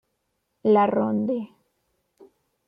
La Ronde